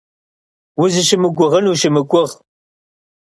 Узыщымыгугъын ущымыгугъ.